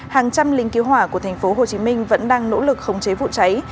hàng trăm lính cứu hỏa của tp hcm vẫn đang nỗ lực khống chế vụ cháy